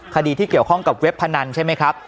คดีที่เกี่ยวข้องกับเว็บพนันใช่ไหมครับ